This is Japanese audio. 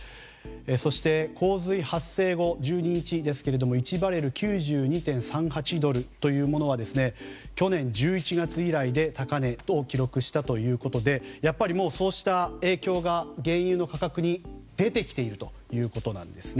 そして洪水発生後１２日ですけれども１バレル＝９２．３８ドルというものは去年１１月以来で高値を記録したということでやっぱりもうそうした影響が原油の価格に出てきているということなんですね。